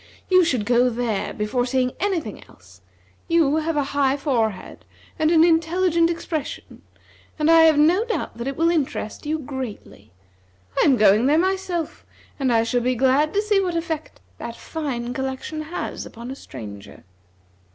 You should go there before seeing any thing else. You have a high forehead, and an intelligent expression, and I have no doubt that it will interest you greatly. I am going there myself, and I shall be glad to see what effect that fine collection has upon a stranger."